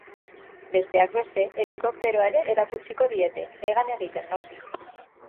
Besteak beste, helikopteroa ere erakutsiko diete, hegan egiten noski.